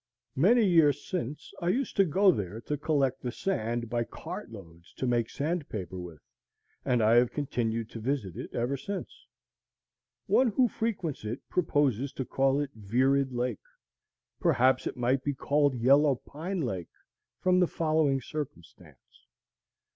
Many years since I used to go there to collect the sand by cart loads, to make sand paper with, and I have continued to visit it ever since. One who frequents it proposes to call it Virid Lake. Perhaps it might be called Yellow Pine Lake, from the following circumstance.